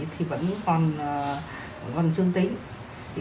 thì vẫn còn xương tĩnh